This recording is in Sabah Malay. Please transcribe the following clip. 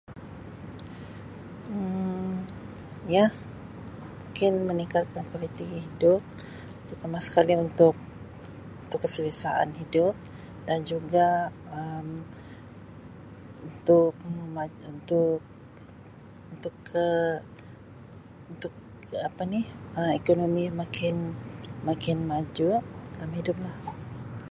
Um Ya mungkin meningkatkan kualiti hidup terutama sekali untuk-untuk keselesaan hidup dan juga Um untuk mema- untuk-untuk ke untuk apa ni Um ekonomi makin-makin maju dalam hidup lah